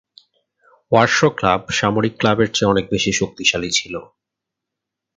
Warsaw club সামরিক ক্লাবের চেয়ে অনেক বেশি শক্তিশালী ছিল।